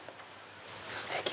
ステキ！